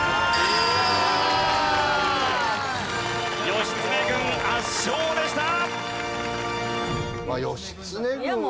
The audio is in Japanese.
義経軍圧勝でした！